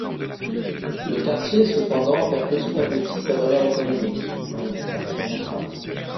Le quartier cependant perd petit à petit sa valeur économique, malgré sa place centrale.